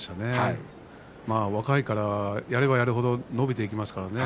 若いから、やればやる程伸びていきますからね。